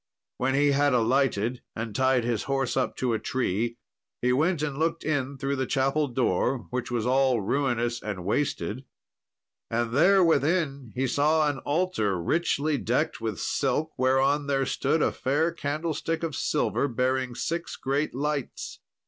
When he had alighted and tied his horse up to a tree, he went and looked in through the chapel door, which was all ruinous and wasted, and there within he saw an altar, richly decked with silk, whereon there stood a fair candlestick of silver, bearing six great lights.